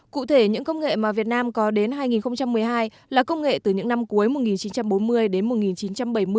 cụ thể những công nghệ mà việt nam có đến hai nghìn một mươi hai là công nghệ từ những năm cuối một nghìn chín trăm bốn mươi đến một nghìn chín trăm bảy mươi